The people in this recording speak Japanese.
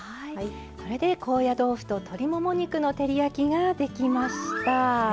これで高野豆腐と鶏もも肉の照り焼きができました。